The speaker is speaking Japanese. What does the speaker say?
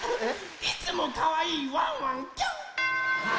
いつもかわいいワンワンキャン！